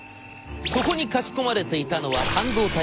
そこに書き込まれていたのは半導体の設計図。